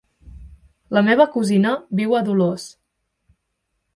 La meva cosina viu a Dolors.